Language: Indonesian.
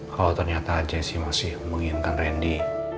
kalau ternyata jessi masih menginginkan randy